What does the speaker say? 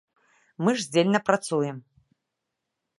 Мы ж здзельна працуем.